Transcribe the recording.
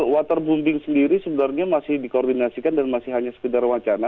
waterbombing sendiri sebenarnya masih dikoordinasikan dan masih hanya sekedar wacana